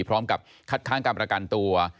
พร้อมกับคัดค้างการประกันตัว